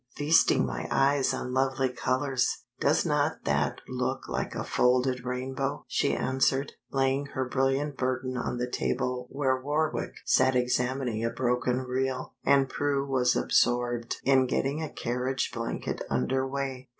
"Feasting my eyes on lovely colors. Does not that look like a folded rainbow?" she answered, laying her brilliant burden on the table where Warwick sat examining a broken reel, and Prue was absorbed in getting a carriage blanket under way.